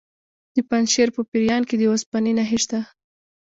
د پنجشیر په پریان کې د اوسپنې نښې شته.